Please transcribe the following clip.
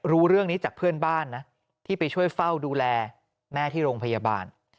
รู้เรื่องนี้จากเพื่อนบ้านนะที่ไปช่วยเฝ้าดูแลแม่ที่โรงพยาบาล